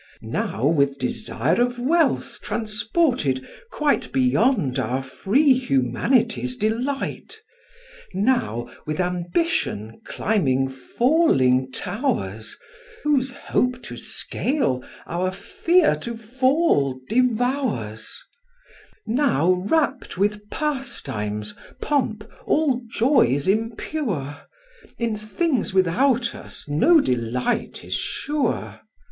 Now with desire of wealth transported quite Beyond our free humanity's delight; Now with ambition climbing falling towers, Whose hope to scale, our fear to fall devours; Now rapt with pastimes, pomp, all joys impure: In things without us no delight is sure.